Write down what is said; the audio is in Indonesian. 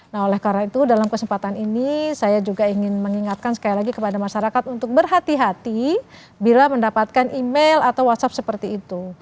nah oleh karena itu dalam kesempatan ini saya juga ingin mengingatkan sekali lagi kepada masyarakat untuk berhati hati bila mendapatkan email atau whatsapp seperti itu